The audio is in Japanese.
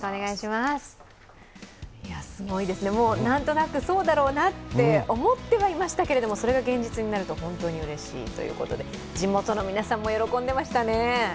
すごいですね、何となくそうだろなうと思ってましたけど、それが現実になると本当にうれしいということで地元の皆さんも喜んでいましたね。